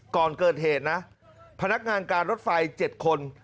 ก่อนเกิดเหตุนะพนักงานการรถไฟ๗คน